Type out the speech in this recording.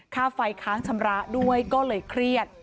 ค่าไฟค้างชำระด้วยก็เลยเครียด